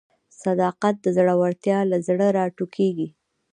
صداقت د زړورتیا له زړه راټوکېږي.